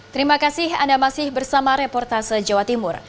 terima kasih anda masih bersama reportase jawa timur